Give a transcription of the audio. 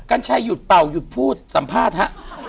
กัญชัยหยุดเป่าหยุดพูดสัมภาษณ์ฮะ